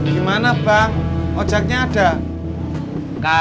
gimana bang ojaknya ada